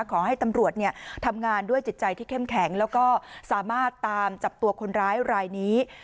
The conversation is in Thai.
ขอให้ตำรวจทำงานด้วยจิตใจที่เข้มแข็งแล้วก็สามารถตามจับตัวคนร้ายรายนี้